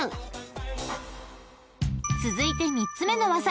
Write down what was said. ［続いて３つ目の技］